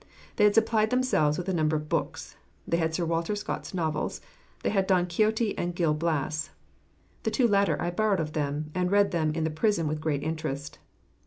They had supplied themselves with a number of books. They had Sir Walter Scott's novels, they had Don Quixote and Gil Blas. The two latter I borrowed of them, and read them in the prison with great interest.